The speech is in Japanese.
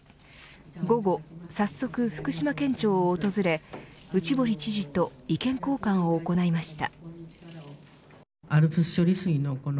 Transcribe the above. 午後、早速福島県庁を訪れ内堀知事と意見交換を行いました。